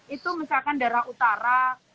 itu misalkan darah utara